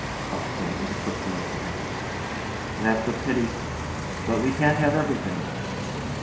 CROCKSTEAD. [With a quick glance at her.] That's a pity. But we can't have everything.